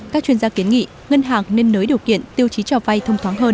các chuyên gia kiến nghị ngân hàng nên nới điều kiện tiêu chí cho vay thông thoáng hơn